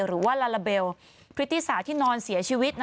หรือว่าลาลาเบลพริตตีสาที่นอนเสียชีวิต